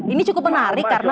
ini cukup menarik karena